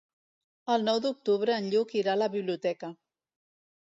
El nou d'octubre en Lluc irà a la biblioteca.